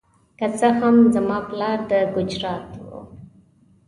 که څه هم زما پلار د ګجرات و.